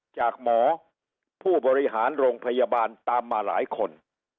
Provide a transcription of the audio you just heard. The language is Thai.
จากหมอผู้บริหารโรงพยาบาลตามมาหลายคน